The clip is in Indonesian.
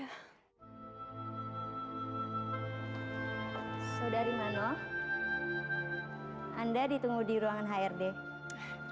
aku bener bener butuh pekerjaan ini untuk keluarga dan satria